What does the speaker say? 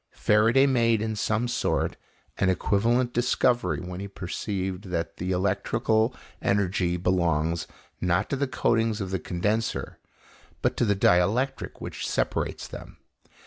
Faraday made, in some sort, an equivalent discovery when he perceived that the electrical energy belongs, not to the coatings of the condenser, but to the dielectric which separates them.